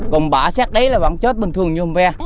còn bãi xác đấy là vẫn chết bình thường như hùm ve